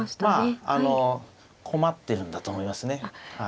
まああの困ってるんだと思いますね。